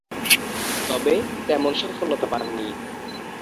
তবে, তেমন সফলতা পাননি।